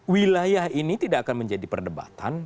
wilayah ini tidak akan menjadi perdebatan